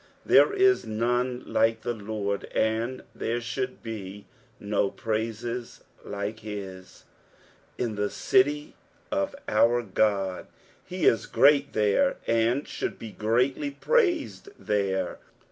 There is non« like the Lord, and there should be no praises like his praises. "In th«eUy<{f our Qod." He is great there, and should be greatly praised there.